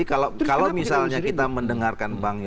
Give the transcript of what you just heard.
kalau misalnya kita mendengarkan